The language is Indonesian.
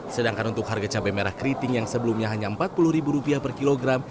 sedangkan untuk harga cabai merah keriting yang sebelumnya hanya rp empat puluh per kilogram